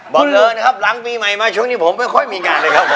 บอกเลยนะครับหลังปีใหม่มาช่วงนี้ผมไม่ค่อยมีงานเลยครับผม